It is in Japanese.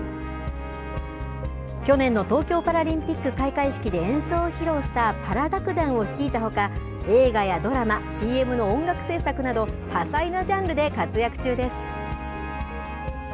去年の東京パラリンピック開会式で演奏を披露した、パラ楽団を率いたほか、映画やドラマ、ＣＭの音楽制作など、多彩なジャンルで活躍中です。